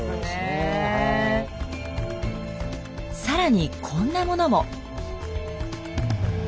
更にこんなものも。